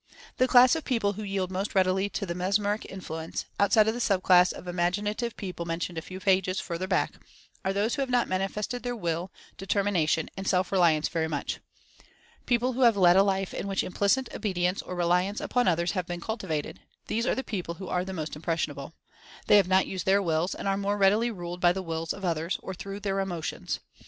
The class of people who yield most readily to Mes meric influence (outside of the sub class of imagina ry tive people mentioned a few pages further back) are those who have not manifested their Will. Determina Impressionability 69 tion and Self Reliance very much. People who have led a life in which implicit obedience, or reliance, upon others, have been cultivated — these are the people who are most impressionable. They have not used their Wills, and are more readily ruled by the Wills of others, or through their Emotions.